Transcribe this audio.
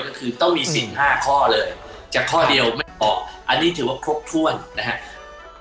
มันคือต้องมี๔๕ข้อเลยจากข้อเดียวไม่ออกอันนี้ถือว่าครบถ้วนนะครับ